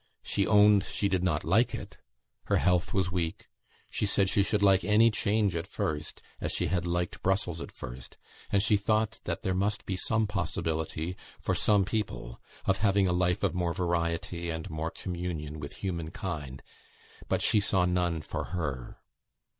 She owned she did not like it. Her health was weak. She said she should like any change at first, as she had liked Brussels at first, and she thought that there must be some possibility for some people of having a life of more variety and more communion with human kind, but she saw none for her.